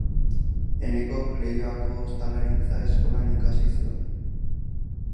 Enekok Leioako Ostalaritza Eskolan ikasi zuen.